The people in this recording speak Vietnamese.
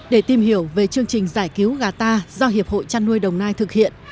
để tìm hiểu về chương trình giải cứu gà ta do hiệp hội chăn nuôi đồng nai thực hiện